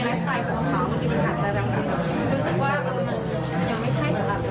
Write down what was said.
มองอยู่กันให้ได้ความดีที่สุด